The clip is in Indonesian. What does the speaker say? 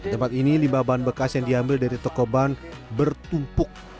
tempat ini limbah ban bekas yang diambil dari toko ban bertumpuk